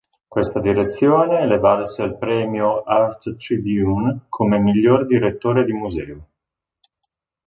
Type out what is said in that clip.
Questa direzione le valse il premio Art Tribune come miglior direttore di museo.